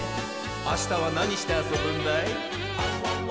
あしたはなにしてあそぶんだい？